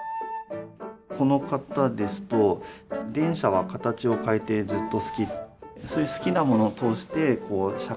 この方ですと「電車は形をかえてずっとすき」。